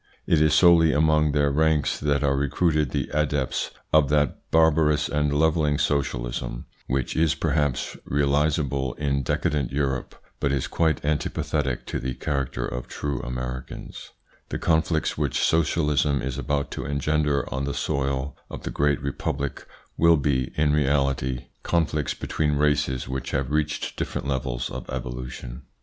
It is solely among their ranks that are recruited the adepts of that barbarous and levelling socialism, which is perhaps realisable in decadent Europe, but is quite antipathetic to the character of true Americans. The conflicts which socialism is about to engender on the soil of the great Republic will be, in reality, conflicts 12 162 THE PSYCHOLOGY OF PEOPLES: between races which have reached different levels of evolution.